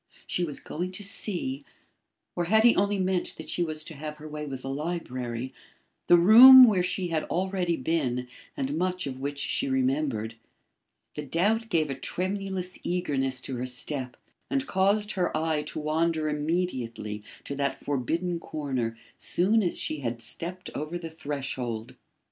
She was going to see or had he only meant that she was to have her way with the library the room where she had already been and much of which she remembered. The doubt gave a tremulous eagerness to her step and caused her eye to wander immediately to that forbidden corner soon as she had stepped over the threshold.